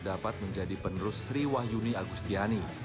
dapat menjadi penerus sriwayuni agustiani